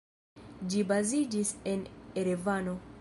Ĝi baziĝis en Erevano.